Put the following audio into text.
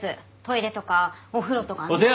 トイレとかお風呂とかねえ？